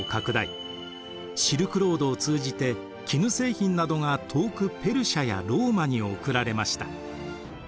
シルクロードを通じて絹製品などが遠くペルシャやローマに送られました。